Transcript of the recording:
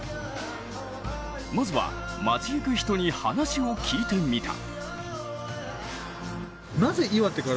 まずは、町行く人に話を聞いてみた。